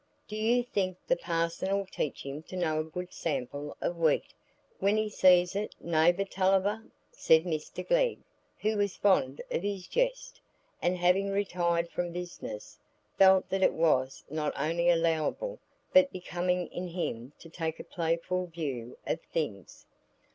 do you think the parson'll teach him to know a good sample o' wheat when he sees it, neighbour Tulliver?" said Mr Glegg, who was fond of his jest, and having retired from business, felt that it was not only allowable but becoming in him to take a playful view of things.